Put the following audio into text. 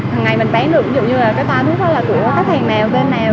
hằng ngày mình bán được dù như là cái toa thuốc đó là của khách hàng nào bên nào